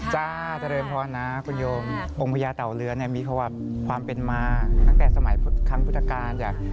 จะเร็นขอญาคุณโยมองค์พญาเต่าเรือนมีความเป็นมาตั้งแต่สมัยขั้มพุทธกาล